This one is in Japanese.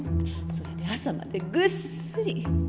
それで朝までぐっすり！